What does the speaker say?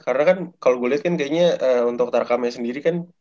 karena kan kalo gue liat kan kayaknya untuk tarkamnya sendiri kan